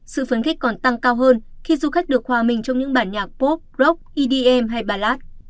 sự phấn khích còn tăng cao hơn khi du khách được hòa mình trong những bản nhạc pop rock edm hay ballad